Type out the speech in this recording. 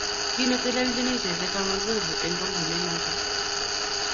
Kinetelechin icheget Amazulu eng kampuninoto